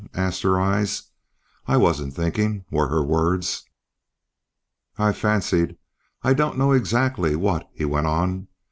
asked her eyes. "I wasn't thinking," were her words. "I fancied I don't know exactly what," he went on.